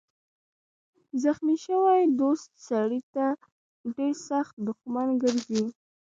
زخمي شوی دوست سړی ته ډېر سخت دښمن ګرځي.